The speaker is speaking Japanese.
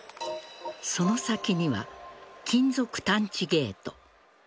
その先には金属探知ゲート。